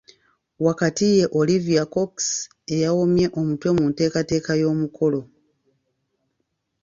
Wakati ye Olivia Cox eyawomye omutwe mu nteekateeka y'omukolo.